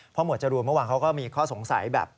หมวดจรูนเมื่อวานเขาก็มีข้อสงสัยแบบ